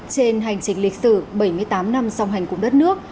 trên hành trình lịch sử bảy mươi tám năm song hành cùng đất nước